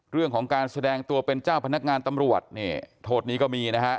เรื่องของการแสดงตัวเป็นเจ้าพนักงานตำรวจนี่โทษนี้ก็มีนะฮะ